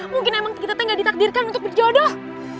mungkin emang kita teh gak ditakdirkan untuk berjodoh